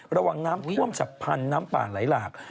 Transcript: ระวังน้ำท่วมฉับพันธุ์น้ำป่าไหลหลาก